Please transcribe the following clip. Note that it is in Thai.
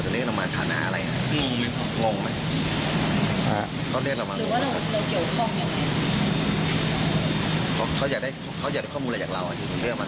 เหมือนกันว่ามีใครระเทียงแว่น